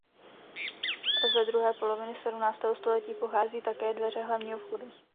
Ze druhé poloviny sedmnáctého století pochází také dveře hlavního vchodu.